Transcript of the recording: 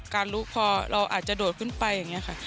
ลุกพอเราอาจจะโดดขึ้นไปอย่างนี้ค่ะ